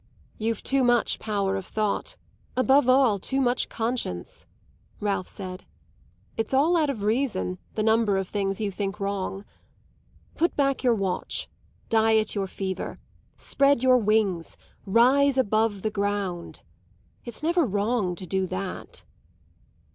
"You've too much power of thought above all too much conscience," Ralph added. "It's out of all reason, the number of things you think wrong. Put back your watch. Diet your fever. Spread your wings; rise above the ground. It's never wrong to do that."